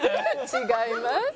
違います。